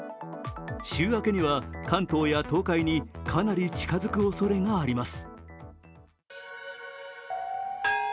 週明けには関東や東海にかなり近づくおそれがあります。